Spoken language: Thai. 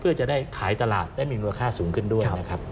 เพื่อจะได้ขายตลาดได้มีมูลค่าสูงขึ้นด้วยนะครับ